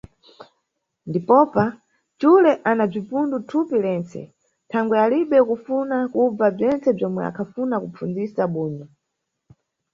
Ndipopa, xule ana bzipundu thupi lentse; thangwe alibe kufuna kubva bzentse bzomwe akhafuna kupfundzisa bunyu.